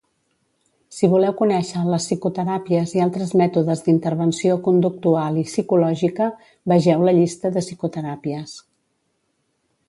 Si voleu conèixer les psicoteràpies i altres mètodes d'intervenció conductual i psicològica, vegeu la llista de psicoteràpies.